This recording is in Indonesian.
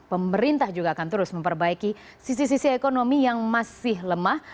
pemerintah juga akan terus memperbaiki sisi sisi ekonomi yang masih lemah